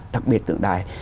đặc biệt tượng đài